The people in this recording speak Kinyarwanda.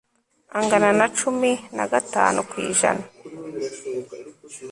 angana na cumi na gatanu ku ijana